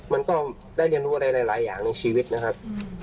มันก็ได้เรียนรู้อะไรหลายอย่างในชีวิตนะครับ